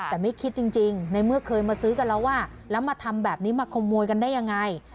แต่ไม่คิดจริงในเมื่อเคยมาซื้อกันแล้วว่าแล้วมาทำแบบนี้มาขโมยกันได้ยังไง